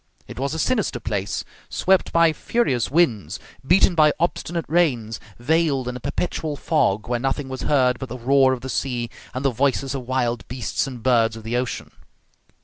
It was a sinister place, swept by furious winds, beaten by obstinate rains, veiled in a perpetual fog, where nothing was heard but the roar of the sea and the voices of wild beasts and birds of the ocean.